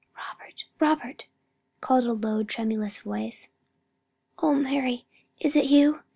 "Robert! Robert!" called a low tremulous voice. "O Mary, is it you?"